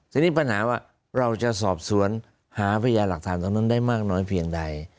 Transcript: ทีนี้ปัญหาว่าเราจะสอบสวนหาพยาหลักฐานตรงนั้นได้มากน้อยเพียงใด